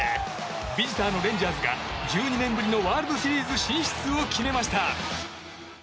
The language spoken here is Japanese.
ビジターのレンジャーズが１２年ぶりのワールドシリーズ進出を決めました。